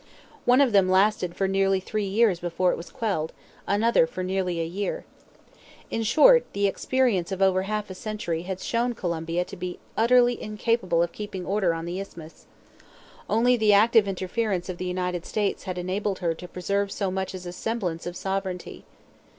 One of them lasted for nearly three years before it was quelled; another for nearly a year. In short, the experience of over half a century had shown Colombia to be utterly incapable of keeping order on the Isthmus. Only the active interference of the United States had enabled her to preserve so much as a semblance of sovereignty.